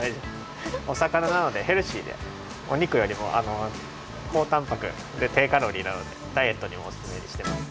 お魚なのでヘルシーでおにくよりもこうタンパクでていカロリーなのでダイエットにもおすすめしてます。